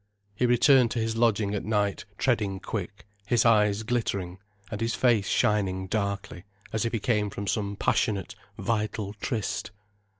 He returned to his lodging at night treading quick, his eyes glittering, and his face shining darkly as if he came from some passionate, vital tryst.